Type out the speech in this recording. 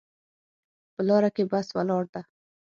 په لاره کې بس ولاړ ده